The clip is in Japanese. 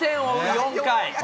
４回。